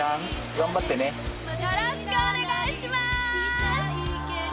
よろしくお願いします！